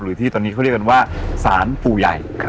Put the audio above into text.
ที่ตอนนี้เขาเรียกกันว่าสารปู่ใหญ่